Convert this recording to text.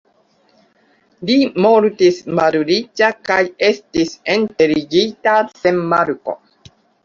Li mortis malriĉa kaj estis enterigita sen marko.